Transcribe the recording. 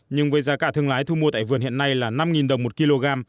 nhưng với giá cả thương lái thu mua tại vườn hiện nay là năm đồng một kg